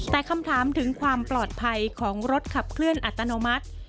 แต่คำถามถึงความปลอดภัยของรถขับเคลื่อนอัตโนมัติ